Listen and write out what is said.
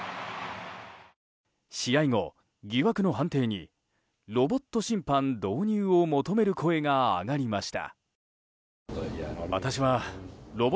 試合後、疑惑の判定にロボット審判導入を求める声が上がりました。